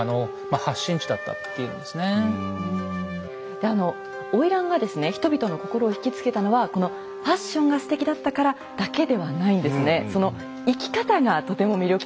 であの花魁がですね人々の心を引き付けたのはこのファッションがすてきだったからだけではないんですね。